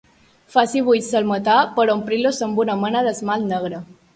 Faci buits al metall per omplir-los amb una mena d'esmalt negre.